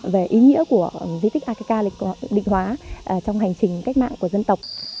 về ý nghĩa của di tích ateca định hóa trong hành trình cách mạng của dân tộc